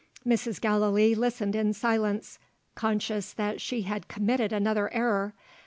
Mrs. Gallilee listened in silence, conscious that she had committed another error.